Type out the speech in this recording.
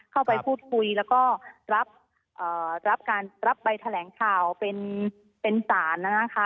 เข้าไปพูดคุยแล้วก็รับการรับใบแถลงข่าวเป็นศาลนะคะ